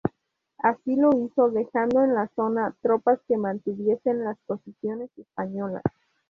Así lo hizo dejando en la zona tropas que mantuviesen las posiciones españolas.